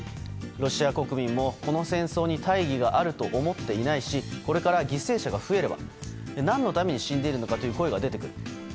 ロシア国民もこの戦争に大義があると思っていないしこれから犠牲者が増えれば何のために死んでいるのかという声が出てくる。